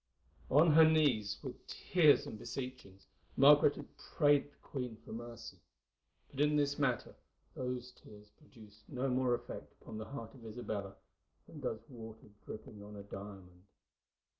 On her knees, with tears and beseechings, Margaret had prayed the queen for mercy. But in this matter those tears produced no more effect upon the heart of Isabella than does water dripping on a diamond.